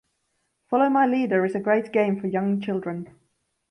Follow my leader is a great game for young children.